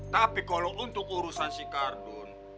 tapi kalau untuk urusan si kardun